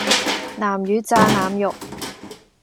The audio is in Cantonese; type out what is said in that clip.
南乳炸腩肉